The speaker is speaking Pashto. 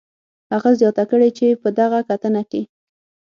هغه زیاته کړې چې په دغه کتنه کې